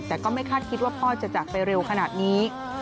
แต่ก็ไม่คาดคิดว่าพ่อจะจากไปเร็วขนาดนี้